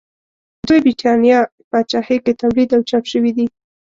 د لویې برېتانیا پاچاهۍ کې تولید او چاپ شوي دي.